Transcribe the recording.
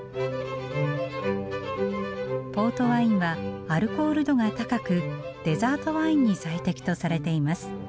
ポートワインはアルコール度が高くデザートワインに最適とされています。